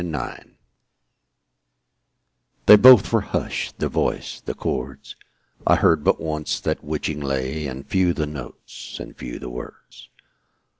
They both were husht, the voice, the chords, I heard but once that witching lay; And few the notes, and few the words.